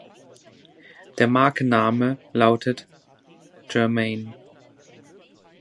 Der Markenname lautete Germain.